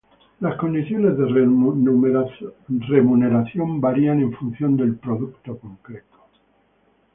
Las condiciones de remuneración varían en función del producto concreto.